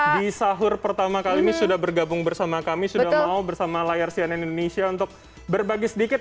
di sahur pertama kali ini sudah bergabung bersama kami sudah mau bersama layar cnn indonesia untuk berbagi sedikit